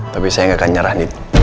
tapi saya gak akan nyerah